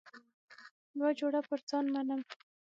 یوه جوړه پر ځان منم.